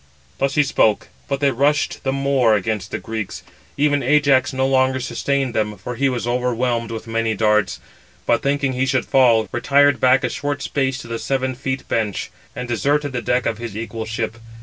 Thus he spoke, but they rushed the more against the Greeks. Even Ajax no longer sustained them, for he was overwhelmed with darts; but, thinking he should fall, retired back a short space to the seven feet bench, and deserted the deck of his equal ship.